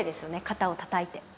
肩をたたいて。